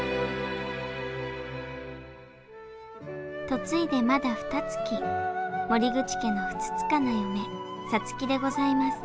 嫁いでまだふたつき森口家の不束な嫁皐月でございます。